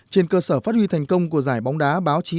trên cơ sở phát huy thành công của giải bóng đá báo chí